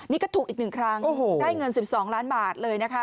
นี่ก็ถูกอีก๑ครั้งได้เงิน๑๒ล้านบาทเลยนะคะ